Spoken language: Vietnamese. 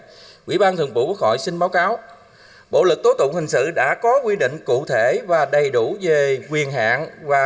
vì vậy ủy ban thường vụ quốc hội xin báo cáo bộ lực tố tụng hình sự đã có quy định cụ thể và đầy đủ về quyền hạn